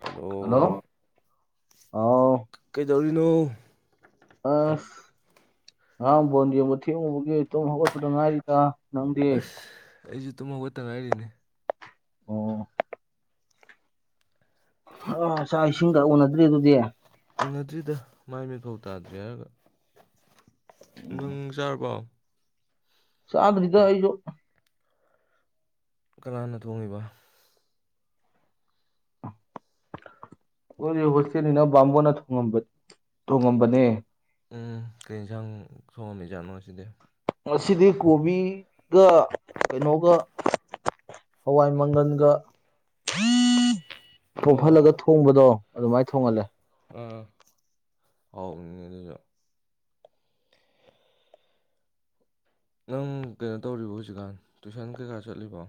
hello ꯑꯥꯎ ꯀꯩꯗꯧꯔꯤꯅꯣ ꯑꯁ ꯉꯉꯥꯡ ꯕꯣꯟ ꯌꯦꯡꯕ ꯊꯦꯡꯉꯨꯕꯒꯤꯇꯨꯝ ꯍꯧꯒꯠꯄꯗ ꯉꯥꯏꯔꯤꯀ ꯑꯁ ꯑꯩꯁꯨ ꯇꯨꯝꯍꯒꯠꯇ ꯉꯥꯏꯔꯤꯅꯦ ꯑꯣ ꯑ ꯆꯥꯛ ꯏꯁꯤꯡꯒ ꯎꯅꯗ꯭ꯔꯤ ꯑꯗꯨꯗꯤ ꯎꯅꯗ꯭ꯔꯤꯗ ꯃꯥꯏ ꯃꯤꯠꯐꯧ ꯇꯥꯗ꯭ꯔꯦ ꯍꯥꯏꯔꯒ ꯅꯪ ꯆꯥꯔꯕꯣ ꯆꯗꯗ ꯑꯩꯁꯨ ꯀꯅꯥꯥꯅ ꯊꯣꯡꯉꯤꯕ ꯈꯣꯏꯗꯤ ꯍꯣꯁꯇꯦꯜꯅꯤꯅ ꯕꯥꯝꯃꯣꯟꯅ ꯊꯣꯡꯉꯝꯕ ꯊꯣꯡꯉꯝꯕꯅꯦ ꯎꯝ ꯀꯩ ꯏꯟꯁꯥꯡ ꯊꯣꯡꯉꯝꯃꯤꯖꯥꯠꯅꯣ ꯉꯥꯁꯤꯗꯤ ꯉꯁꯤꯗꯤ ꯀꯣꯕꯤꯒ ꯀꯩꯅꯣꯒ ꯍꯋꯥꯏ ꯃꯪꯒꯟꯒ ꯑꯣ ꯄꯣꯐꯜꯂꯒ ꯊꯣ ꯊꯣꯡꯕꯗꯣ ꯑꯗꯨꯃꯥꯏꯅ ꯊꯣꯡꯍꯜꯂꯦ ꯑꯥ ꯍꯥꯎꯅꯤ ꯑꯗꯨꯁꯨ ꯅꯪ ꯀꯩꯅꯣ ꯇꯧꯔꯤꯕ ꯍꯧꯖꯤꯛꯀꯥꯟ ꯇꯨꯏꯁꯟ ꯀꯩꯀꯥ ꯆꯠꯂꯤꯕꯣ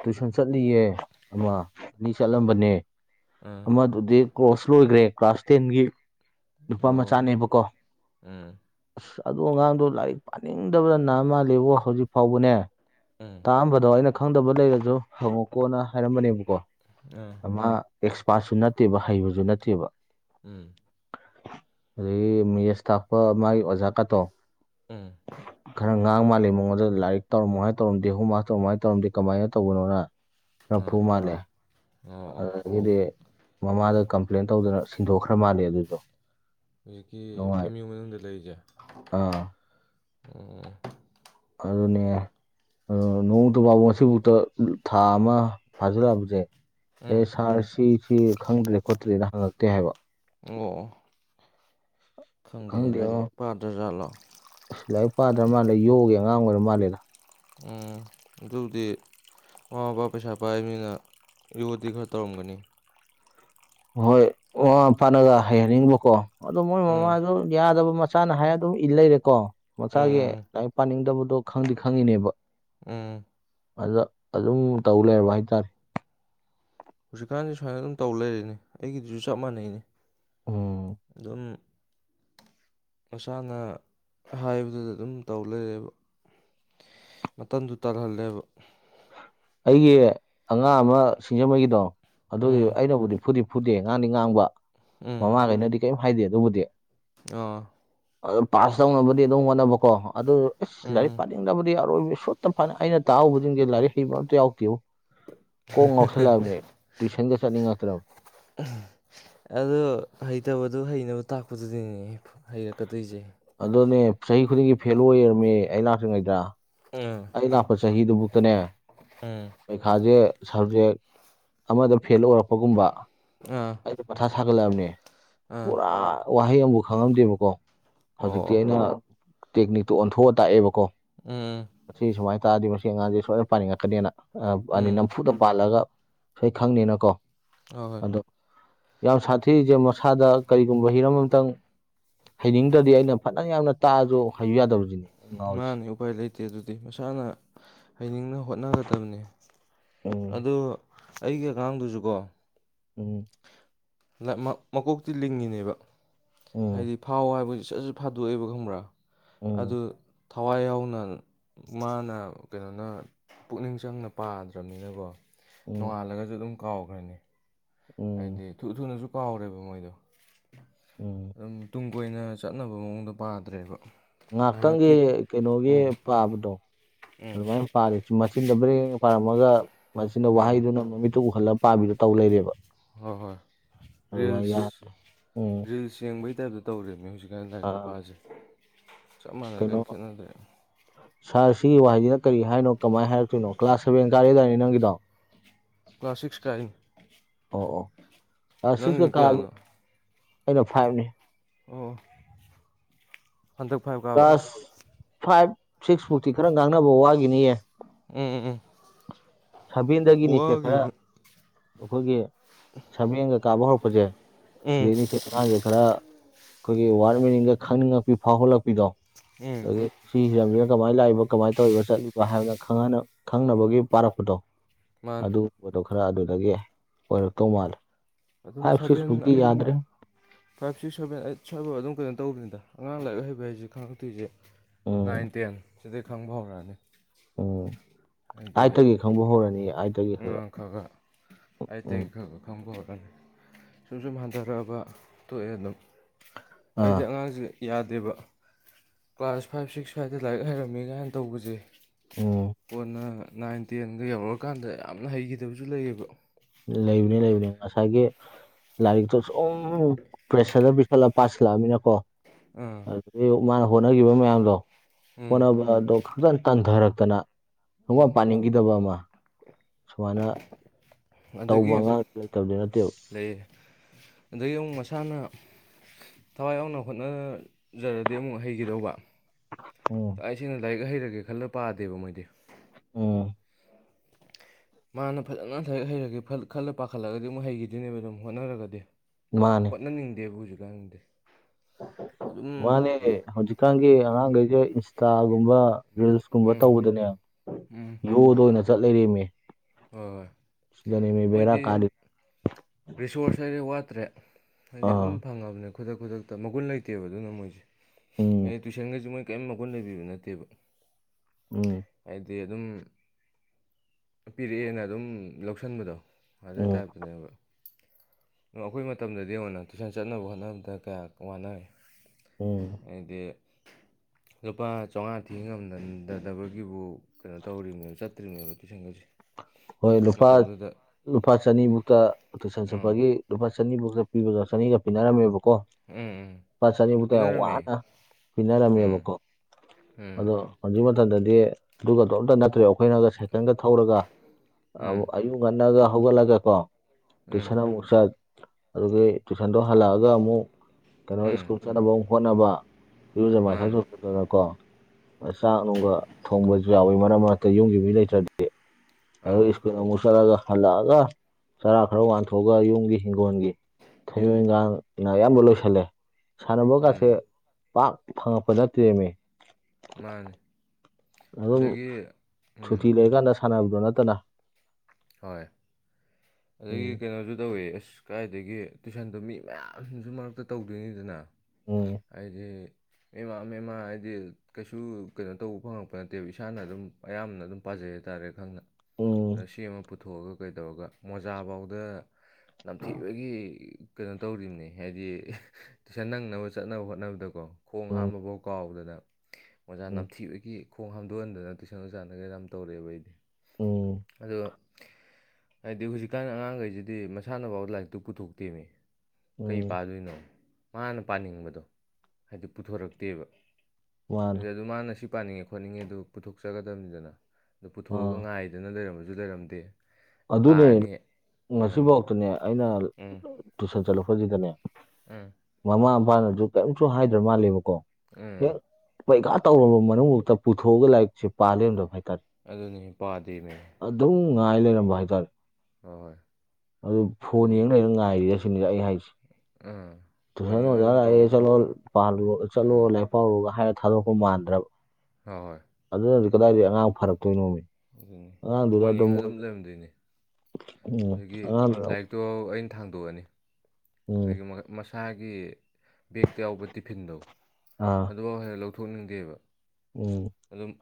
ꯇꯨꯏꯁꯟ ꯆꯠꯂꯤꯌꯦ ꯑꯃ ꯑꯅꯤ ꯆꯠꯂꯝꯕꯅꯦ ꯑꯥ ꯑꯃ ꯑꯗꯨꯗꯤ ꯀ꯭ꯔꯣꯁ ꯂꯣꯏꯈ꯭ꯔꯦ ꯀ꯭ꯂꯥꯁ ꯇꯦꯟꯒꯤ ꯅꯨꯄꯥ ꯑꯣ ꯃꯆꯥꯅꯦꯕꯀꯣ ꯎꯝ ꯑꯁ ꯑꯗꯣ ꯑꯉꯥꯡꯗꯣ ꯂꯥꯏꯔꯤꯛ ꯄꯥꯅꯤꯡꯗꯕꯅ ꯅꯥ ꯃꯥꯜꯂꯤꯦꯕꯣ ꯍꯧꯖꯤꯛ ꯐꯥꯎꯕꯅꯦ ꯎꯝ ꯇꯥꯝꯕꯗꯣ ꯑꯩꯅ ꯈꯪꯗꯕ ꯂꯩꯔꯁꯨ ꯍꯪꯉꯨꯀꯣꯅ ꯍꯥꯏꯔꯝꯕꯅꯦꯕꯀꯣ ꯑꯥ ꯑꯃ ꯑꯦꯛꯁꯄꯥꯔꯠꯁꯨ ꯅꯠꯇꯦꯕ ꯍꯩꯕꯁꯨ ꯅꯠꯇꯦꯕ ꯎꯝ ꯑ ꯃꯤꯌꯦꯁꯇꯥꯥꯄ ꯃꯥꯒꯤ ꯑꯣꯖꯥ ꯀꯥ ꯇꯣ ꯎꯝ ꯈꯔ ꯉꯥꯡ ꯃꯥꯜꯂꯤ ꯃꯉꯣꯟꯗ ꯂꯥꯏꯔꯤꯛ ꯇꯧꯔꯝꯃꯣ ꯍꯥꯏ ꯇꯧꯔꯝꯗꯦ ꯍꯣꯝ ꯃꯥꯁ ꯇꯧꯔ ꯀꯃꯥꯏꯅ ꯇꯧꯔꯝꯗꯦ ꯀꯃꯥꯏꯅ ꯇꯧꯕꯅꯣꯅ ꯈꯔ ꯐꯨ ꯑꯥ ꯃꯥꯜꯂꯦ ꯑꯣ ꯑꯣ ꯑꯗꯒꯤꯗꯤ ꯃꯃꯥꯗ ꯀꯝꯄ꯭ꯂꯦꯟ ꯇꯧꯗꯅ ꯁꯤꯟꯗꯣꯛꯈ꯭ꯔ ꯃꯥꯜꯂꯦ ꯑꯗꯨꯗꯣ ꯍꯧꯖꯤꯛꯀꯤ ꯅꯨꯡꯉꯥꯏ ꯑꯦꯝ ꯌꯨ ꯃꯅꯨꯡꯗ ꯂꯩꯔꯤꯁꯦ ꯑꯥ ꯎꯝ ꯑꯗꯨꯅꯦ ꯑ ꯅꯣꯡꯇꯨꯕꯥꯥꯕꯁꯤꯕꯨꯥꯎꯇ ꯊꯥ ꯑꯃ ꯐꯥꯖꯤꯂꯛꯑꯕꯁꯦ ꯎꯝ ꯑꯦ ꯁꯥꯔ ꯁꯤ ꯁꯤ ꯈꯪꯗ꯭ꯔꯦ ꯈꯣꯠꯇ꯭ꯔꯦꯅ ꯍꯪꯉꯛꯇꯦ ꯍꯥꯏꯕ ꯑꯣ ꯈꯪꯗꯦꯅꯦ ꯂꯥꯏ ꯄꯥꯗ꯭ꯔꯖꯥꯠꯂꯣ ꯑꯁ ꯂꯥꯏꯔꯤꯛ ꯄꯥꯗ꯭ꯔꯅ ꯃꯥꯜꯂꯦ ꯌꯣꯒꯒꯤ ꯑꯉꯥꯡ ꯑꯣꯏ ꯃꯥꯜꯂꯦꯅ ꯑꯗꯨ ꯍꯧꯗꯤ ꯃꯃꯥ ꯃꯄꯥ ꯄꯩꯁꯥ ꯄꯥꯏ ꯃꯤꯅ ꯌꯨꯗꯤ ꯈꯔ ꯇꯧꯔꯝꯒꯅꯤ ꯍꯣꯏ ꯑꯣ ꯐꯅꯒ ꯍꯩꯍꯟꯅꯤꯡꯉꯤꯕꯀꯣ ꯑꯗꯣ ꯃꯣꯏ ꯎꯝ ꯃꯃꯥꯗꯣ ꯌꯥꯗꯕ ꯃꯆꯥꯅ ꯍꯥꯏꯔ ꯑꯗꯨꯝ ꯏꯜ ꯂꯩꯔꯦꯀꯣ ꯃꯆꯥꯒꯤ ꯎꯝ ꯂꯥꯏꯔꯤ ꯄꯥꯅꯤꯡꯗꯕꯗꯣ ꯈꯪꯗꯤ ꯈꯪꯉꯤꯅꯦꯕ ꯎꯝ ꯑꯗ ꯑꯗꯨꯝ ꯇꯧ ꯂꯩꯔꯕ ꯍꯥꯏꯇꯥꯔꯦ ꯍꯧꯖꯤꯛꯀꯥꯟꯗꯤ ꯁꯨꯃꯥꯏꯅ ꯑꯗꯨꯝ ꯇꯧ ꯂꯩꯔꯤꯅꯦ ꯑꯩꯒꯤꯗꯨꯁꯨ ꯆꯞ ꯃꯥꯟꯅꯩꯅꯦ ꯎꯝ ꯑꯗꯨꯝ ꯃꯁꯥꯅ ꯍꯥꯏꯕꯗꯨꯗ ꯑꯗꯨꯝ ꯇꯧ ꯂꯩꯔꯦꯕ ꯃꯇꯝꯗꯨ ꯇꯥꯜꯍꯜꯂꯦꯕ ꯑꯩꯒꯤ ꯑꯉꯥꯡ ꯑꯃ ꯁꯤꯡꯖꯃꯩꯒꯤꯗꯣ ꯑꯗꯨꯗꯤ ꯎꯝ ꯑꯩꯅꯕꯨꯗꯤ ꯐꯨꯗꯤ ꯐꯨꯗꯦ ꯉꯥꯡꯗꯤ ꯉꯥꯡꯕ ꯃꯃꯥꯈꯩꯅꯗꯤ ꯀꯔꯤꯝ ꯍꯥꯏꯗꯦ ꯑꯗꯨꯕꯨꯗꯤ ꯑ ꯄꯥꯁ ꯇꯧꯅꯕꯗꯤ ꯑꯗꯨꯝ ꯍꯣꯠꯅꯕ ꯀꯣ ꯑꯗꯨ ꯑꯦꯁ ꯎꯝ ꯂꯥꯏꯔꯤꯛ ꯎꯝ ꯄꯥꯅꯤꯡꯗꯕꯗꯤ ꯑꯔꯣꯏꯕ ꯁꯣꯠꯇꯅ ꯑꯩꯅ ꯇꯥꯍꯕꯗꯤ ꯁꯤꯡꯁꯦ ꯂꯥꯏꯔꯤꯛ ꯍꯩꯕ ꯑꯝꯇ ꯌꯥꯎꯗꯦ ꯀꯣꯛ ꯉꯥꯎꯁꯜꯂꯛꯑꯕꯅꯦ ꯇꯨꯏꯁꯟꯒ ꯆꯠꯅꯤꯡꯉꯛꯇ꯭ꯔꯕ ꯎꯝ ꯑꯣ ꯍꯩꯇꯕꯗꯨ ꯍꯩꯅꯕ ꯇꯥꯛꯄꯗꯨꯗꯤꯅꯦ ꯍꯩꯔꯛꯀꯗꯣꯏꯁꯦ ꯑꯗꯨꯅꯦ ꯆꯍꯤ ꯈꯨꯗꯤꯡꯒꯤ ꯐꯦꯜ ꯑꯣꯏꯔꯝꯃꯦ ꯑꯩ ꯂꯥꯛꯇ꯭ꯔꯤꯉꯩꯗ ꯎꯝ ꯑꯩ ꯂꯥꯛꯄ ꯆꯍꯤꯗꯨꯃꯨꯛꯇꯅꯦ ꯎꯝ ꯄꯔꯤꯈꯥꯁꯦ ꯁꯕꯖꯦꯛ ꯑꯃꯗ ꯐꯦꯜ ꯑꯣꯏꯔꯛꯄꯒꯨꯝꯕ ꯑꯥ ꯑꯩꯗꯤ ꯃꯊꯥ ꯁꯥꯒꯠꯂꯛꯑꯕꯅꯦ ꯑꯥ ꯄꯨꯔꯥ ꯋꯥꯍꯩ ꯑꯃꯕꯨ ꯈꯪꯉꯝꯗꯦꯕꯀꯣ ꯍꯧꯖꯤꯛꯇꯤ ꯑꯣ ꯑꯩꯅ ꯇꯦꯛꯅꯤꯛꯇꯣ ꯑꯣꯟꯊꯣꯛꯑ ꯇꯥꯛꯑꯦꯕꯀꯣ ꯎꯝ ꯃꯁꯤ ꯁꯨꯃꯥꯏꯅ ꯇꯥꯔꯗꯤ ꯃꯁꯤ ꯑꯉꯥꯡꯁꯦ ꯁꯣꯏꯅ ꯄꯥꯅꯤꯡꯉꯛꯀꯅꯤꯅ ꯑꯅꯤ ꯎꯝ ꯅꯝꯐꯨꯗ ꯄꯥꯜꯂꯒ ꯁꯣꯏ ꯈꯪꯅꯤꯅꯀꯣ ꯍ ꯍꯣꯏ ꯑꯗꯣ ꯌꯥꯝ ꯁꯥꯊꯤꯁꯦ ꯃꯁꯥꯗ ꯀꯔꯤꯒꯨꯝꯕ ꯍꯤꯔꯝ ꯑꯃꯇꯪ ꯍꯩꯅꯤꯡꯗ꯭ꯔꯗꯤ ꯑꯩꯅ ꯐꯖꯅ ꯌꯥꯝꯅ ꯇꯥꯑꯁꯨ ꯍꯌꯨ ꯌꯥꯗꯧꯖꯤꯅꯦ ꯃꯥꯅ ꯎꯄꯥꯏ ꯂꯩꯇꯦ ꯑꯗꯨꯗꯤ ꯃꯁꯥꯅ ꯍꯩꯅꯤꯡꯅ ꯍꯣꯠꯅꯒꯗꯕꯅꯤ ꯎꯝ ꯑꯗꯨ ꯑꯩꯒꯤ ꯑꯉꯥꯡꯗꯨꯁꯨꯀꯣ ꯎꯝ ꯃꯀꯣꯛꯇꯤ ꯂꯤꯡꯉꯤꯅꯦꯕ ꯎꯝ ꯍꯥꯏꯗꯤ ꯐꯥꯎ ꯍꯥꯏꯕꯗꯤ ꯁꯠꯁꯠ ꯐꯥꯗꯣꯛꯑꯦꯕ ꯈꯪꯕ꯭ꯔꯥ ꯎꯝ ꯑꯗꯨ ꯊꯋꯥꯏ ꯌꯥꯎꯅ ꯃꯥꯅ ꯀꯩꯅꯣꯅ ꯄꯨꯛꯅꯤꯡ ꯆꯪꯅ ꯄꯥꯗ꯭ꯔꯕꯅꯤꯅꯀꯣ ꯎꯝ ꯅꯣꯡꯉꯥꯜꯂꯒꯁꯨ ꯑꯗꯨꯝ ꯀꯥꯎꯈ꯭ꯔꯅꯤ ꯎꯝ ꯍꯥꯏꯗꯤ ꯊꯨ ꯊꯨꯅꯁꯨ ꯀꯥꯎꯔꯦꯕ ꯃꯣꯏꯗꯣ ꯎꯝ ꯑꯗꯨꯝ ꯀꯣꯏꯅ ꯆꯠꯅꯕ ꯃꯑꯣꯡꯗ ꯄꯥꯗ꯭ꯔꯦꯕ ꯉꯍꯥꯛꯇꯪꯒꯤ ꯉꯥꯏꯍꯥꯛꯀꯤ ꯀꯩꯅꯣꯒꯤ ꯎꯝ ꯄꯥꯕꯗꯣ ꯑꯗꯨꯃꯥꯏꯅ ꯄꯥꯔꯤ ꯃꯆꯤꯟꯗ ꯕ꯭ꯔꯦꯡ ꯍꯦꯛ ꯄꯥꯔꯝꯃꯒ ꯃꯆꯤꯟꯗ ꯑꯥ ꯋꯥꯍꯩꯗꯨꯅ ꯃꯃꯤꯠꯇꯨ ꯎꯍꯜꯂꯒ ꯄꯥꯕꯤꯗꯨ ꯇꯧ ꯂꯩꯔꯦꯕ ꯍꯣꯏ ꯍꯣꯏ ꯑꯗꯨꯃꯥꯏꯅ ꯔꯤꯜꯁ ꯌꯥ ꯎꯝ ꯔꯤꯜꯁ ꯆꯦꯡꯕꯒꯤ ꯇꯥꯏꯞꯇ ꯇꯧꯔꯤꯕꯅꯤ ꯍꯧꯖꯤꯛꯀꯥꯟ ꯂꯥꯏꯔꯤꯛ ꯑ ꯀꯨꯄꯥꯁꯦ ꯆꯞ ꯃꯥꯟꯅꯩ ꯀꯩꯅꯣ ꯑꯗꯨꯝ ꯈꯦꯠꯅꯗ꯭ꯔꯦ ꯁꯥꯔ ꯁꯤꯒꯤ ꯋꯥꯍꯩꯁꯤꯅ ꯀꯔꯤ ꯍꯥꯏꯅꯣ ꯀꯃꯥꯏꯅ ꯍꯥꯏꯔꯛꯇꯣꯏꯅꯣ ꯀ꯭ꯂꯥꯁ ꯁꯕꯦꯟ ꯀꯥꯔꯛꯏꯗꯥꯏꯅꯦ ꯅꯪꯒꯤꯗꯣ ꯀ꯭ꯂꯥꯁ ꯁꯤꯛꯁ ꯇꯥꯏ ꯑꯣ ꯑꯣ ꯀ꯭ꯂꯥꯁ ꯅꯪꯒꯤ ꯁꯤꯛꯁꯀ ꯀꯥꯕ ꯀꯌꯥꯅꯣ ꯑꯩꯅ ꯐꯥꯏꯚꯅꯤ ꯑꯣ ꯍꯟꯗꯛ ꯐꯥꯏ ꯀ꯭ꯂꯥꯁ ꯐꯥꯏꯚ ꯁꯤꯛꯁ ꯐꯥꯎꯇꯤ ꯈꯔ ꯉꯥꯡꯅꯕ ꯋꯥꯒꯤꯅꯤꯌꯦ ꯎꯝ ꯎꯝ ꯎꯝ ꯁꯥꯕꯦꯟꯗꯗꯒꯤꯅꯤ ꯆꯦ ꯈꯔꯥ ꯋꯥꯒꯤꯗꯅ ꯑꯩꯈꯣꯏꯒꯤ ꯁꯥꯕꯦꯟꯒ ꯀꯥꯕ ꯍꯧꯔꯛꯄꯁꯦ ꯎꯝ ꯁꯤꯗꯩꯅꯤꯁꯦ ꯑꯉꯥꯡꯁꯦ ꯈꯔꯥ ꯑꯩꯈꯣꯏꯒꯤ ꯋꯥꯔꯗ ꯃꯦꯅꯤꯡꯒꯥ ꯈꯪꯅꯤꯡꯉꯛꯄꯤ ꯐꯥꯎꯍꯜꯂꯛꯄꯤꯗꯣ ꯎꯝ [unintelligible] ꯁꯤ ꯍꯤꯔꯝꯁꯤꯅ ꯀꯃꯥꯏꯅ ꯂꯥꯛꯏꯕ ꯀꯃꯥꯏꯅ ꯇꯧꯔꯤꯕ ꯆꯠꯂꯤꯕ ꯍꯥꯏꯕꯅ ꯈꯪꯍꯟꯅꯥ ꯈꯪꯅꯕꯒꯤ ꯄꯥꯔꯛꯄꯗꯣ ꯃꯥꯅꯤ ꯑꯗꯨꯒꯨꯝꯕꯗꯣ ꯈꯔ ꯑꯗꯨꯗꯒꯤ ꯑꯣꯏꯔꯛꯇꯧ ꯃꯥꯜꯂꯦ ꯑꯗꯨꯝ ꯐꯥꯏꯚ ꯁꯤꯛꯁ ꯁꯚꯦꯟ ꯐꯥꯎꯇꯤ ꯌꯥꯗ꯭ꯔꯦ ꯐꯥꯏꯚ ꯁꯤꯛꯁ ꯁꯕꯦꯟ ꯑꯩꯠ ꯁ꯭ꯏꯐꯥꯎ ꯑꯗꯨꯝ ꯀꯩꯅꯣ ꯇꯧꯕꯅꯤꯗ ꯑꯉꯥꯡ ꯂꯥꯏꯔꯤꯛ ꯍꯩꯕ ꯍꯥꯏꯁ ꯈꯉꯛꯇꯣꯏꯁꯦ ꯎꯝ ꯅꯥꯏꯟ ꯇꯦꯟ ꯁꯤꯗꯒꯤ ꯈꯪꯕ ꯍꯧꯔꯛꯑꯅꯤ ꯑꯣ ꯍꯥꯏꯗꯤ ꯑꯥꯏꯇꯒꯤ ꯈꯪꯕ ꯍꯧꯔꯅꯤ ꯑꯇꯒꯤ ꯈ ꯈꯔ ꯎꯝ ꯎꯝ ꯈꯪꯕꯨ [unintelligible] ꯁꯨꯝ ꯁꯨꯝ ꯍꯟꯊꯔꯛꯑꯥꯕ ꯇꯣꯛꯑꯦ ꯑꯗꯨꯝ ꯑꯥ ꯑꯩꯁꯦ ꯑꯉꯥꯡꯖꯦ ꯌꯥꯗꯦꯕ ꯀ꯭ꯂꯥꯁ ꯐꯥꯏꯚ ꯁꯤꯛꯁ ꯁꯋꯥꯏꯗ ꯂꯥꯏꯔꯤꯛ ꯍꯩꯔꯝꯃꯦ ꯀꯥꯏꯅ ꯇꯧꯕꯁꯦ ꯎꯝ ꯀꯣꯟꯅ ꯅꯥꯏꯟ ꯇꯦꯟꯒ ꯌꯧꯔꯀꯥꯟꯗꯥ ꯌꯥꯝꯅ ꯍꯩꯈꯤꯗꯕꯁꯨ ꯂꯩꯌꯦꯕ ꯂꯩꯕꯅꯦ ꯂꯩꯕꯅꯦ ꯉꯁꯥꯏꯒꯤ ꯂꯥꯏꯔꯤꯛꯇꯣ ꯁꯨꯝ ꯄ꯭ꯔꯦꯁꯔꯗꯣ ꯄꯤꯁꯜꯂꯥ ꯄꯥꯁꯤꯜꯂꯛꯑꯃꯤꯅꯥꯀꯣ ꯎꯝ ꯑꯗꯩ ꯃꯥꯅ ꯍꯣꯠꯅꯒꯤꯕ ꯃꯌꯥꯝꯗꯣ ꯎꯝ ꯍꯣꯠꯅꯕꯗꯣ ꯈꯇꯟ ꯇꯟꯊꯥꯔꯛꯇꯅꯥ ꯁꯨꯡꯄꯥ ꯎꯝ ꯄꯥꯅꯤꯡꯈꯤꯗꯕ ꯑꯃ ꯁꯨꯃꯥꯏꯅ ꯑꯗꯒꯤ ꯇꯧꯕ ꯑꯉꯥꯡ ꯂꯩꯇꯕꯗꯤ ꯅꯠꯇꯦꯕ ꯂꯩꯌꯦ ꯑꯗꯒꯤ ꯑꯃꯨꯛ ꯃꯁꯥꯅ ꯊꯋꯥꯏ ꯌꯥꯎꯅ ꯍꯣꯠꯅꯖꯔꯗꯤ ꯑꯃꯨꯛ ꯍꯩꯒꯤꯗꯧꯕ ꯎꯝ ꯑꯩꯁꯦꯡꯅꯥ ꯂꯥꯏꯔꯤꯛ ꯍꯩꯔꯒꯦ ꯈꯜꯂꯥ ꯄꯥꯗꯦꯕ ꯃꯣꯏꯗꯤ ꯑꯣ ꯃꯥꯅ ꯐꯖꯅ ꯂꯩꯔꯤꯛ ꯍꯩꯔꯒꯦ ꯈꯜꯂꯥ ꯄꯥꯈꯠꯂꯛꯑꯒꯗꯤ ꯑꯃꯨꯛ ꯍꯩꯈꯤꯗꯨꯏꯅꯦꯕ ꯑꯗꯨꯝ ꯍꯣꯠꯅꯔꯒꯗꯤ ꯃꯥꯅꯦ ꯍꯣꯠꯅꯅꯤꯡꯗꯦꯕ ꯍꯧꯖꯤꯛꯀꯥꯟꯗꯤ ꯑꯗꯨꯝ ꯃꯥꯅꯦ ꯍꯧꯖꯤꯛꯀꯥꯟꯒꯤ ꯑꯉꯥꯡꯈꯩꯖꯦ ꯏꯟꯁꯇꯥꯒꯨꯝꯕ ꯔꯤꯜꯁ ꯀꯨꯝꯕ ꯎꯝ ꯇꯧꯕꯗꯅꯦ ꯎꯝ ꯌꯣꯗꯥ ꯑꯣꯏꯅ ꯆꯠ ꯂꯩꯔꯦꯃꯦ ꯍꯣꯏ ꯍꯣꯏ ꯁꯤꯗꯥꯅꯦꯃꯦ ꯕꯦꯔꯥ ꯃꯣꯏꯗꯤ ꯀꯥꯔꯤ ꯔꯤꯁꯣꯔꯁ ꯍꯥꯏꯗꯤ ꯋꯥꯠꯇ꯭ꯔꯦ ꯍꯥꯏꯗꯤ ꯑꯗꯨꯝ ꯑꯥ ꯐꯪꯉꯕꯅꯦ ꯈꯨꯗꯛ ꯈꯨꯗꯛꯇ ꯃꯒꯨꯟ ꯂꯩꯇꯦꯕ ꯑꯗꯨꯅ ꯃꯣꯏꯁꯦ ꯑ ꯎꯝ ꯇꯨꯏꯁꯟꯒꯁꯨ ꯃꯣꯏ ꯀꯔꯤꯝ ꯃꯒꯨꯟ ꯂꯩꯕꯤꯕ ꯅꯠꯇꯦꯕ ꯎꯝ ꯍꯥꯏꯗꯤ ꯑꯗꯨꯝ ꯄꯤꯔꯛꯑꯦꯅ ꯑꯗꯨꯝ ꯂꯧꯁꯟꯕꯗꯣ ꯑꯗꯨꯏ ꯎꯝ ꯇꯥꯏꯞꯇꯅꯦꯕ ꯑꯩꯈꯣꯏ ꯃꯇꯝꯗꯗꯤ ꯌꯦꯡꯉꯣꯅ ꯇꯨꯏꯁꯟ ꯆꯠꯅꯕ ꯍꯣꯠꯅꯕꯗ ꯀꯌꯥꯝ ꯋꯥꯅꯔꯦ ꯎꯝ ꯍꯥꯏꯗꯤ ꯂꯨꯄꯥ ꯆꯥꯎꯉꯥ ꯊꯤ [unintelligible] ꯀꯩꯅꯣ ꯇꯧꯔꯤꯝꯅꯦꯕ ꯆꯠꯇ꯭ꯔꯤꯝꯅꯦꯕ ꯇꯨꯏꯁꯟꯒꯁꯦ ꯍꯣꯏ ꯂꯨꯄꯥ ꯃꯇꯝꯗꯨꯗ ꯂꯨꯄꯥ ꯆꯅꯤ ꯃꯨꯛꯇꯥ ꯇꯨꯏꯁꯟ ꯎꯝ ꯆꯠꯄꯒꯤ ꯂꯨꯄꯥ ꯆꯅꯤꯐꯧꯗ ꯄꯤꯕꯒꯥ ꯆꯅꯤꯒꯥ ꯄꯤꯅꯥꯔꯝꯃꯦꯕꯀꯣ ꯎꯝ ꯎꯝ ꯂꯨꯄꯥ ꯆꯅꯤꯕꯧꯇ ꯌꯥꯝ ꯄꯤꯅꯔꯝꯃꯦ ꯋꯥꯅ ꯎꯝ ꯄꯤꯅꯔꯝꯃꯦꯕꯀꯣ ꯎꯝ ꯑꯗꯣ ꯍꯧꯖꯤꯛ ꯃꯇꯝꯗꯗꯤ ꯑꯗꯨꯒꯗꯣ ꯑꯝꯇꯥ ꯅꯠꯇ꯭ꯔꯦꯕꯥ ꯑꯩꯈꯣꯏꯅꯒ ꯁꯥꯏꯀꯟꯒ ꯊꯧꯔꯒ ꯑꯥ ꯎꯝ ꯑꯌꯨꯛ ꯉꯟꯅꯒ ꯍꯧꯒꯠꯂꯒꯀꯣ ꯎꯝ ꯇꯨꯏꯁꯟ ꯑꯃꯨꯛ ꯆꯠ ꯑꯗꯨꯒꯤ ꯇꯨꯏꯁꯟꯗꯣ ꯍꯜꯂꯛꯑꯒ ꯑꯃꯨꯛ ꯀꯩꯅꯣ ꯎꯝ ꯁ꯭ꯀꯨꯜ ꯆꯠꯅꯕ ꯑꯃꯨꯛ ꯍꯣꯠꯅꯕ ꯏꯔꯨꯖꯥ ꯃꯥꯏꯊꯖꯥ ꯃꯥꯅꯤ ꯑꯗꯨꯒ ꯀꯣ ꯆꯥꯛ ꯅꯨꯡꯒ ꯊꯣꯡꯕꯁꯨ ꯌꯥꯎꯋꯦ ꯃꯔꯛ ꯃꯔꯛꯇ ꯌꯨꯝꯒꯤ ꯃꯤ ꯂꯩꯇ꯭ꯔꯗꯤ ꯑꯗꯨ ꯑꯧ ꯁ꯭ꯀꯨꯜ ꯑꯃꯨꯛ ꯆꯠꯂꯒ ꯍꯜꯂꯛꯑꯒ ꯆꯔꯥ ꯈꯔ ꯋꯥꯟꯊꯣꯛꯑꯒ ꯌꯨꯝꯒꯤ ꯍꯤꯡꯒꯣꯜꯒꯤ ꯊꯕꯛ ꯏꯟꯒꯥꯡꯅ ꯑꯌꯥꯝꯕ ꯂꯣꯏꯁꯤꯜꯂꯦ ꯁꯥꯟꯅꯕꯒꯥꯁꯦ ꯎꯝ ꯄꯥꯛ ꯐꯪꯉꯛꯄ ꯅꯠꯇꯦꯃꯤ ꯃꯥꯅꯦ ꯑꯗꯨꯝ ꯁꯨꯇꯤ ꯎꯝ ꯂꯩꯔꯀꯥꯟꯗ ꯁꯥꯟꯅꯕꯗꯣ ꯅꯠꯇꯅ ꯍꯣꯏ ꯑꯗꯒꯤ ꯎꯝ ꯀꯩꯅꯣꯁꯨ ꯇꯧꯋꯤ ꯑꯁ ꯀꯥꯏꯗꯒꯤ ꯇꯨꯏꯁꯟꯗꯣ ꯃꯤ ꯃꯌꯥꯝ ꯁꯨꯝ ꯁꯨꯝ ꯃꯔꯛꯇ ꯇꯧꯗꯣꯏꯅꯤꯗꯅ ꯎꯝ ꯍꯥꯏꯗꯤ ꯃꯦꯝꯃꯥ ꯃꯦꯝꯃꯥ ꯍꯥꯏꯗꯤ ꯀꯩꯁꯨ ꯀꯩꯅꯣ ꯇꯧꯕ ꯐꯪꯉꯛꯄ ꯅꯠꯇꯦꯕ ꯏꯁꯥꯅ ꯑꯗꯨꯝ ꯑꯌꯥꯝꯕꯅ ꯑꯗꯨꯝ ꯄꯥꯖꯩ ꯍꯥꯏꯇꯥꯥꯔꯦ ꯈꯪꯅ ꯑ ꯎꯝ ꯁꯤ ꯑꯃ ꯄꯨꯊꯣꯛꯑꯒ ꯀꯩꯗꯧꯔꯒ ꯃꯣꯖꯥꯕꯎꯗꯥ ꯅꯝꯊꯤꯕꯒꯤ ꯀꯩꯅꯣ ꯇꯧꯔꯤꯝꯅꯦ ꯍꯥꯏꯗꯤ ꯇꯨꯏꯁꯟ ꯅꯪꯅꯕ ꯆꯠꯅꯕ ꯍꯣꯠꯅꯕꯗꯀꯣ ꯈꯣꯡ ꯎꯝ ꯍꯥꯝꯕꯕꯧ ꯀꯥꯎꯗꯅ ꯃꯣꯖꯥ ꯎꯝ ꯅꯝꯊꯤꯕꯒꯤ ꯈꯣꯡ ꯍꯥꯝꯗꯣꯛꯍꯟꯗꯅꯥ ꯇꯨꯏꯁꯟ ꯑꯣꯖꯥꯅꯒ ꯌꯥꯝ ꯇꯧꯔꯛꯑꯦꯕ ꯑꯩꯗꯤ ꯎꯝ ꯑꯗꯨꯒ ꯍꯥꯏꯗꯤ ꯍꯧꯖꯤꯛꯀꯥꯟ ꯑꯉꯥꯡꯒꯩꯁꯤꯗꯤ ꯃꯁꯥꯅ ꯕꯧ ꯂꯥꯏꯔꯤꯛꯇꯨ ꯄꯨꯊꯣꯛꯇꯦꯃꯦ ꯀꯩ ꯎꯝ ꯄꯥꯗꯣꯏꯅꯣ ꯃꯥꯅ ꯄꯥꯅꯤꯡꯕꯗꯣ ꯍꯥꯏꯗꯤ ꯄꯨꯊꯣꯔꯛꯇꯦꯕ ꯃꯥꯅꯦ ꯍꯥꯏꯗꯤ ꯑꯗꯨ ꯃꯥꯅ ꯁꯤ ꯄꯥꯅꯤꯡꯉꯦ ꯈꯣꯠꯅꯤꯡꯉꯦ ꯑꯗꯨ ꯄꯨꯊꯣꯛꯆꯒꯗꯕꯅꯤꯗꯅ ꯄꯨꯊꯣꯛꯑꯒ ꯑꯥ ꯉꯥꯏꯗꯅ ꯂꯩꯔꯝꯕꯥꯖꯨ ꯂꯩꯔꯝꯗꯦ ꯑꯗꯨꯅꯦ ꯂꯥꯛꯑꯅꯤ ꯎꯝ ꯉꯁꯤꯐꯥꯎꯗꯅꯦ ꯑꯩꯅ ꯇꯨꯏꯁꯟ ꯆꯠꯂꯛꯄꯁꯤꯗꯅꯦ ꯑꯥ ꯃꯃꯥ ꯃꯄꯥꯅꯁꯨ ꯀꯔꯤꯝꯁꯨ ꯍꯥꯏꯗ꯭ꯔ ꯃꯥꯜꯂꯦꯕꯀꯣ ꯍꯦꯛ ꯎꯝ ꯄꯩꯈꯥ ꯇꯧꯔꯕ ꯃꯅꯨꯡꯕꯧꯇ ꯄꯨꯊꯣꯛꯑꯒ ꯂꯥꯏꯔꯤꯛꯁꯦ ꯄꯥ ꯂꯩꯔꯝꯗꯕ ꯍꯥꯏꯇꯥꯔꯦ ꯑꯗꯨꯅꯤ ꯄꯥꯗꯦꯃꯦ ꯑꯗꯨꯝ ꯉꯥꯏ ꯂꯩꯔꯝꯕ ꯍꯥꯏꯇꯥꯔꯦ ꯍꯣꯏ ꯍꯣꯏ ꯑꯗꯨꯝ ꯐꯣꯟ ꯌꯦꯡ ꯂꯩꯔꯒ ꯉꯥꯏꯔꯤꯔ ꯁꯤꯅꯤꯗ ꯑꯩ ꯍꯥꯏꯁꯦ ꯎꯝ ꯇꯨꯏꯁꯟ ꯑꯣꯖꯥ ꯒꯥꯏꯖꯦ ꯆꯠꯂꯣ ꯄꯥꯍꯜꯂꯨꯔꯣ ꯆꯠꯂꯣ ꯑꯥ ꯍꯣꯏ ꯂꯥꯏꯔꯤꯛ ꯄꯥꯎꯔꯣꯒ ꯍꯥꯏꯔ ꯊꯥꯗꯣꯔꯛꯄ ꯃꯥꯟꯗ꯭ꯔꯕ ꯍꯣ ꯍꯣꯏ ꯑꯗꯨꯅꯗꯤ ꯀꯗꯥꯏꯗꯤ ꯑꯉꯥꯡ ꯐꯔꯛꯇꯣꯏꯅꯣꯃꯦ ꯐꯣꯟ ꯌꯦꯡ ꯑꯗꯨꯝ ꯂꯩꯔꯝꯗꯣꯏꯅꯦ ꯎꯝ ꯑꯗꯒꯤ ꯑꯉꯥꯡꯗꯨꯅ ꯂꯥꯏꯔꯤꯛꯇꯣ ꯑꯩꯅ ꯊꯥꯡꯗꯣꯛꯑꯅꯤ ꯎꯝ ꯑꯗꯒꯤ ꯃꯁꯥꯒꯤ ꯕꯦꯛꯇ ꯌꯥꯎꯕ ꯇꯤꯐꯤꯟꯗꯣ ꯑ ꯑꯗꯨꯐꯥꯎ ꯍꯦꯛ ꯂꯧꯊꯣꯛꯅꯤꯡꯗꯦꯕ ꯎꯝ ꯑꯗꯨꯝ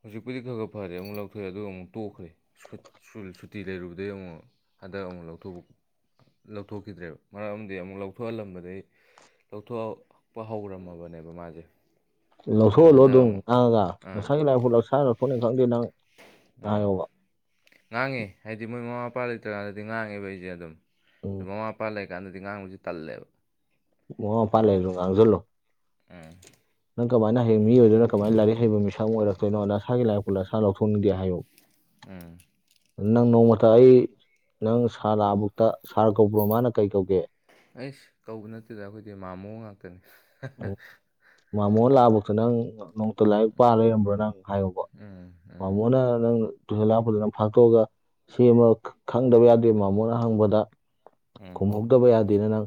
ꯍꯧꯖꯤꯛꯄꯨꯗꯤ ꯈꯔ ꯈꯔ ꯐꯔꯦ ꯑꯃꯨꯛ ꯂꯧꯊꯣꯛꯑꯦ ꯑꯗꯨꯒ ꯑꯃꯨꯛ ꯇꯣꯛꯈ꯭ꯔꯦ ꯁꯨ ꯁꯨꯇꯤ ꯂꯩꯔꯨꯕꯗꯒꯤ ꯑꯃꯨꯛ ꯍꯟꯗꯛ ꯑꯃꯨꯛ ꯂꯧꯊꯣꯛ ꯂꯧꯊꯣꯛꯈꯤꯗ꯭ꯔꯦꯕ ꯃꯔꯛ ꯑꯃꯗꯤ ꯑꯃꯨꯛ ꯂꯧꯊꯣꯛꯍꯜꯂꯝꯕꯗꯒꯤ ꯂꯧꯊꯣꯛꯄ ꯍꯧꯔꯝꯃꯕꯅꯦꯕ ꯃꯥꯁꯦ ꯑꯗꯣ ꯂꯧꯊꯣꯛꯍꯜꯂꯣ ꯍꯟꯗꯛ ꯑꯗꯨꯝ ꯑꯃꯨꯛ ꯉꯥꯡꯉꯒ ꯑꯥ ꯅꯁꯥꯒꯤ ꯂꯥꯏꯔꯤꯛ ꯐꯧ ꯅꯁꯥꯅ ꯂꯧꯊꯣꯛꯅꯤ ꯈꯪꯗꯦ ꯅꯪ ꯎꯝ ꯍꯥꯥꯏꯌꯣꯕ ꯉꯥꯡꯉꯦ ꯍꯥꯏꯗꯤ ꯃꯣꯏ ꯃꯃꯥ ꯃꯄꯥ ꯂꯩꯇ꯭ꯔꯀꯥꯟꯗꯗꯤ ꯉꯥꯡꯉꯦꯕ ꯑꯩꯁꯦ ꯑꯗꯨꯝ ꯎꯝ ꯃꯃꯥ ꯃꯄꯥ ꯂꯩ ꯀꯀꯥꯟꯗꯗꯤ ꯉꯥꯡꯕꯁꯤ ꯇꯜꯂꯦꯕ ꯃꯃꯥ ꯃꯄꯥ ꯍꯥꯏꯗꯤ ꯂꯩꯔꯁꯨ ꯉꯥꯡꯖꯜꯂꯣ ꯎꯝ ꯅꯪ ꯀꯃꯥꯏꯅ ꯍꯌꯦꯡ ꯃꯤ ꯑꯣꯏꯗꯣꯏꯅꯣ ꯀꯃꯥꯏ ꯂꯥꯏꯔꯤꯛ ꯍꯩꯕ ꯃꯤꯁꯛ ꯑꯃ ꯑꯣꯏꯔꯛꯇꯣꯏꯅꯣ ꯅꯁꯥꯒꯤ ꯂꯥꯏꯔꯤꯛꯐꯧ ꯅꯁꯥꯅ ꯂꯧꯊꯣꯛꯅꯤꯡꯗꯦ ꯍꯥꯏꯌꯨ ꯎꯝ ꯅꯪ ꯅꯣꯡꯃꯇ ꯑꯩ ꯅꯪ ꯁꯥꯔ ꯂꯥꯛꯑꯕꯨꯨꯛꯇ ꯁꯥꯔ ꯀꯧꯕ꯭ꯔꯣ ꯃꯥꯅ ꯀꯩ ꯀꯧꯒꯦ ꯑꯩꯁ ꯀꯧꯕ ꯅꯠꯇꯦꯗ ꯑꯩꯈꯣꯏꯗꯤ ꯃꯥꯃꯣ ꯉꯥꯛꯇꯅꯤ ꯑꯣ ꯃꯥꯃꯣ ꯂꯥꯛꯑꯕꯧꯇ ꯅꯪ ꯅꯣꯡꯃꯇ ꯂꯥꯏꯔꯤꯛ ꯄꯥ ꯂꯩꯔꯝꯕ꯭ꯔꯥ ꯅꯪ ꯍꯥꯏꯌꯨꯕ ꯎꯝ ꯑ ꯎꯝ ꯃꯣꯅ ꯅꯪ ꯇꯨꯁꯤꯜ ꯂꯥꯛꯄꯗꯅ ꯐꯥꯛꯇꯣꯛꯑꯒ ꯁꯤ ꯑꯃ ꯈꯪꯗꯕ ꯌꯥꯗꯦ ꯃꯃꯣꯅ ꯍꯪꯕꯗ ꯎꯝ ꯀꯨꯝꯍꯧꯗꯕ ꯌꯥꯗꯦꯅ ꯅꯪ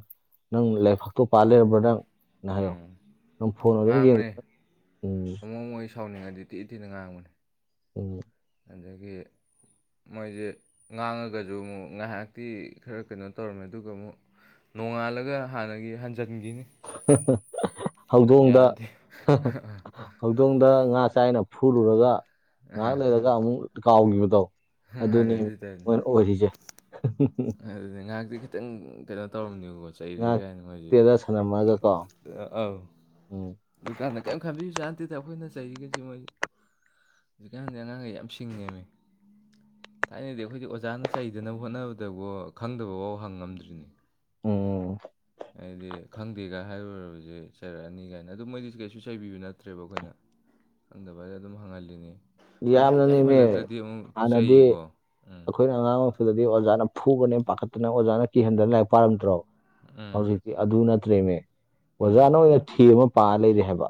ꯅꯪ ꯂꯥꯏꯕꯥꯛꯇꯣ ꯄꯥꯜ ꯂꯩꯔꯕ꯭ꯔꯥ ꯅꯪ ꯅꯍꯌꯣ ꯎꯝ ꯅꯝ ꯐꯣꯟ ꯑꯗꯨꯝ ꯌꯦꯡꯉ ꯎꯝ ꯃꯣꯡꯉ ꯁꯥꯎꯅꯤꯡꯉꯗꯤ ꯇꯤ ꯇꯤꯅ ꯉꯥꯡꯕꯅꯦ ꯎꯝ ꯑꯗꯒꯤ ꯃꯣꯏꯁꯦ ꯉꯥꯡꯉꯒꯁꯨ ꯑꯃꯨꯛ ꯉꯥꯏꯍꯥꯛꯇꯤ ꯈꯔ ꯀꯩꯅꯣ ꯇꯧꯔꯝꯃꯦ ꯑꯗꯨꯒ ꯑꯃꯨꯛ ꯅꯣꯡꯉꯥꯜꯂꯒ ꯍꯥꯟꯅꯒꯤ ꯍꯟꯖꯤꯟꯈꯤꯅꯤ ꯍꯧꯗꯣꯡꯗ ꯌꯥꯗꯦ ꯍꯧꯗꯣꯡꯗ ꯉꯥ ꯆꯥꯏꯅ ꯐꯨꯔꯨꯔꯒ ꯉꯥꯏꯍꯥꯛ ꯂꯩꯔꯒ ꯑꯃꯨꯛ ꯀꯥꯎꯈꯤꯕꯗꯣ ꯍꯥꯟꯅ ꯑꯗꯨꯅꯤ ꯃꯣꯏꯅ ꯑꯣꯏꯔꯤꯁꯦ ꯑꯗꯨꯗꯤ ꯉꯥꯏꯍꯥꯛꯇꯤ ꯈꯤꯇꯪ ꯀꯩꯅꯣ ꯇꯧꯔꯝꯅꯦꯕꯀꯣ ꯆꯩꯔꯦ ꯉꯥꯏꯍꯥꯛ ꯀꯥꯏꯅ ꯃꯣꯏꯁꯦ ꯇꯦꯗ ꯁꯥꯟꯅꯝꯃꯒꯀꯣ ꯑ ꯎꯝ ꯗꯨꯀꯥꯟꯗ ꯀꯔꯤꯝ ꯈꯟꯕꯤꯌꯨꯁꯦ ꯍꯥꯟꯇꯤꯗ ꯑꯩꯈꯣꯏꯅ ꯆꯩꯔꯤꯒꯁꯤꯦ ꯃꯣꯏ ꯍꯧꯖꯤꯛꯀꯥꯟꯗꯤ ꯑꯉꯥꯡꯈꯩ ꯌꯥꯝ ꯁꯤꯡꯉꯦꯝꯃꯤ ꯊꯥꯏꯅꯗꯤ ꯑꯩꯈꯣꯏꯗꯤ ꯑꯣꯖꯥꯅ ꯆꯩꯗꯅꯕ ꯍꯣꯠꯅꯕ ꯑꯗꯨꯇꯕꯨ ꯈꯪꯗꯕꯐꯥꯎ ꯍꯪꯉꯝꯗ꯭ꯔꯤꯅꯤ ꯎꯝ ꯍꯥꯏꯗꯤ ꯈꯪꯗꯦꯒ ꯍꯥꯏꯔꯨꯔꯕꯁꯦ ꯆꯩꯔꯛꯑꯅꯤ ꯀꯥꯏꯅ ꯑꯗꯨ ꯃꯣꯏꯗꯤꯁ ꯀꯩꯁꯨ ꯆꯩꯕꯤꯕ ꯅꯠꯇ꯭ꯔꯦꯕ ꯑꯩꯈꯣꯏꯅ ꯈꯪꯗꯕ ꯍꯥꯏꯁꯦ ꯑꯗꯨꯝ ꯍꯪꯍꯜꯂꯤꯅꯤ ꯍꯣꯏ ꯍꯩꯗꯤ ꯌꯥꯝꯅꯅꯦꯃꯤ ꯍꯩꯃꯜꯂꯛꯇ꯭ꯔꯗꯤ ꯑꯃꯨꯛ ꯍꯥꯟꯅꯗꯤ ꯆꯩꯀꯣ ꯎꯝ ꯑꯩꯈꯣꯏꯅ ꯑꯉꯥꯡ ꯃꯨꯗꯗꯤ ꯑꯣꯖꯥꯅ ꯐꯨꯒꯅꯦ ꯄꯥꯈꯠꯇꯅ ꯑꯣꯖꯥꯅ ꯀꯤꯍꯟꯗꯅ ꯂꯥꯏꯔꯤꯛ ꯄꯥꯔꯝꯗ꯭ꯔꯣ ꯎꯝ ꯍꯧꯖꯤꯛꯇ ꯑꯗꯨ ꯅꯠꯇ꯭ꯔꯦꯃꯦ ꯎꯝ ꯑꯣꯖꯥꯅ ꯑꯣꯏꯅ ꯊꯤ ꯑꯃ ꯄꯥ ꯂꯩꯔꯦ ꯍꯥꯏꯕ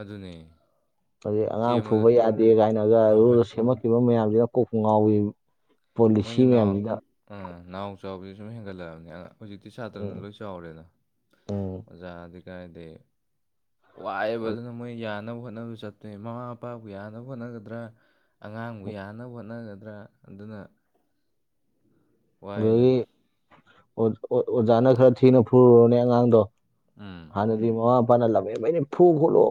ꯑꯗꯨꯅꯤ ꯑꯩ ꯑꯉꯥꯡ ꯐꯨꯕ ꯌꯥꯗꯦ ꯀꯥꯏꯅꯒ ꯍꯣꯏ ꯍꯣꯏ ꯔꯗ ꯁꯦꯝꯃꯛꯈꯤꯕ ꯃꯌꯥꯝꯁꯤꯅ ꯀꯣꯛ ꯉꯥꯎꯏ ꯄꯣꯂꯤꯁꯤ ꯃꯣꯏꯅ ꯍ ꯃꯌꯥꯝꯁꯤꯗ ꯑ ꯅꯥꯎ ꯆꯥꯎꯕꯁ ꯁꯨꯝ ꯍꯦꯟꯒꯠꯂꯛꯑꯕꯅꯤ ꯑ ꯍꯧꯖꯤꯛꯇꯤ ꯁꯥꯇ꯭ꯔꯅ ꯎꯝ ꯂꯣꯏꯁꯤꯜꯂ ꯆꯥꯎꯔꯦꯅ ꯎꯝ ꯑꯣꯖꯥꯗꯤ ꯀꯥꯏꯗ ꯋꯥꯏꯑꯕ ꯑꯗꯨꯅ ꯃꯣꯏ ꯌꯥꯅꯕ ꯍꯣꯠꯅꯕ ꯆꯠꯇꯅꯤ ꯃꯃꯥ ꯃꯄꯥꯕꯨ ꯌꯥꯅꯕ ꯍꯣꯠꯅꯒꯗ꯭ꯔꯥ ꯑꯉꯥꯡꯕꯨ ꯌꯥꯅꯕ ꯍꯣꯠꯅꯒꯗ꯭ꯔꯥ ꯑꯗꯨꯅ ꯋꯥꯏꯗꯅ ꯑꯗꯒꯤ ꯑꯣꯖꯥꯅ ꯈꯔ ꯊꯤꯅ ꯐꯨꯔꯨꯔꯅꯦ ꯑꯉꯥꯡꯗꯣ ꯑꯥ ꯍꯥꯟꯅꯗꯤ ꯃꯃꯥ ꯃꯄꯥꯅ ꯂꯍꯕ ꯑꯩꯅ ꯐꯨ ꯈꯣꯠꯂꯣ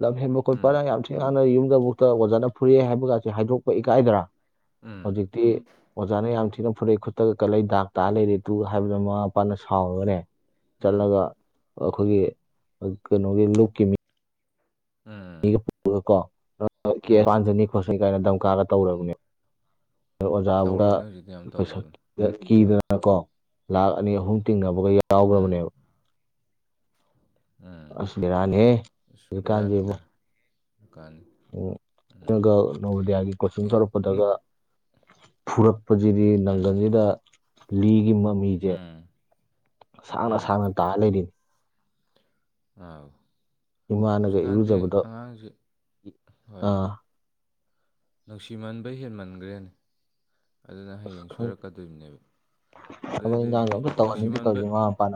ꯂ ꯍꯦꯟꯕ ꯈꯈꯠ ꯎꯝ ꯄꯔꯥꯡ ꯌꯥꯝ ꯁꯤ ꯍꯥꯟꯅ ꯌꯨꯝꯗ ꯑꯃꯨꯛꯇ ꯑꯣꯖꯥꯅ ꯐꯨꯔꯛꯑꯦ ꯍꯥꯏꯕꯒꯁꯤꯦ ꯍꯥꯏꯗꯣꯛꯄ ꯏꯀꯥꯏꯗꯔꯥ ꯎꯝ ꯍꯧꯖꯤꯛꯇꯤ ꯑꯣꯖꯥꯅ ꯌꯥꯝ ꯊꯤꯅ ꯐꯨꯔꯛꯏ ꯈꯨꯠꯇꯒ ꯀꯠꯂꯛꯏ ꯗꯥꯛ ꯇꯥꯛꯑ ꯂꯩꯔꯦ ꯇꯨ ꯍꯥꯏꯕꯗꯣ ꯃꯃꯥ ꯃꯄꯥꯅ ꯁꯥꯎꯔꯅꯦ ꯎꯝ ꯆꯠꯂꯒ ꯑꯩꯈꯣꯏꯒꯤ ꯀꯩꯅꯣꯒꯤ ꯂꯨꯞꯀꯤ ꯃꯤ ꯎꯝ ꯃꯤꯒ ꯄꯨꯔꯒ ꯀꯣ ꯀ ꯎꯝ ꯄꯥꯟꯖꯅꯤ ꯈꯣꯠꯁꯅꯤ ꯀꯥꯏꯅ ꯗꯝꯀꯥꯔꯒ ꯇꯧꯔꯕꯅꯦꯕ ꯑꯣꯖꯥ ꯄꯨꯥ ꯇꯧꯔꯕꯅꯦ ꯍꯧꯖꯤꯛꯇꯤ ꯌꯥꯝ ꯄꯩꯁ ꯇꯧꯔꯕꯅꯦ ꯀꯤꯗꯅ ꯀꯣ ꯂꯥꯛ ꯑꯅꯤ ꯑꯍꯨꯝ ꯇꯤꯡꯅꯕꯒ ꯎꯝ ꯌꯥꯎꯈ꯭ꯔꯕꯅꯦꯕ ꯎꯝ ꯑꯁꯃꯤꯔꯥꯅꯤ ꯍꯧ ꯀꯥꯟꯁꯤꯦꯕꯨꯣ ꯃꯀꯥꯟ ꯅ ꯅꯣꯣꯗꯤꯌꯥꯒꯤ ꯀꯣꯆꯤꯡ ꯑꯦ ꯅꯣ ꯇꯧꯔꯛꯄꯗꯒ ꯐꯨꯔꯛꯄꯁꯤꯗꯤ ꯎꯝ ꯅꯪꯒꯜꯁꯤꯗ ꯂꯤꯒꯤ ꯃꯃꯤꯁꯦ ꯎꯝ ꯁꯥꯡꯅ ꯎꯝ ꯁꯥꯡꯅ ꯇꯥꯔ ꯂꯩꯔꯤꯅꯤ ꯉ ꯏꯃꯥꯅꯒ ꯍꯧꯖꯤꯛꯀꯥꯟꯗꯤ ꯏꯔꯨꯖꯕꯗ ꯑꯉꯥꯡꯁꯤ ꯍꯣꯏ ꯑꯥ ꯅꯨꯡꯁꯤꯃꯟꯕꯩ ꯍꯦꯟꯃꯟꯈ꯭ꯔꯦꯅꯦ ꯑꯗꯨꯅ ꯍꯌꯦꯡ ꯈꯪꯗꯦ ꯁꯣꯏꯔꯛꯀꯗꯣꯏꯕꯅꯦꯕ ꯊꯕꯛ ꯏꯟꯈꯥꯡꯒ ꯑꯗꯨꯏꯗꯏꯗꯤ ꯑꯝꯇ ꯅꯨꯡꯁꯤ ꯇꯧꯍꯟꯅꯤꯡꯗꯦ ꯃꯥꯟꯕ ꯇꯧꯔꯤꯁꯦ ꯃꯃꯥ ꯃꯄꯥꯅ